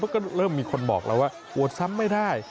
เพราะเริ่มมีคนบอกเราว่าโหวดซ้ำไม่ได้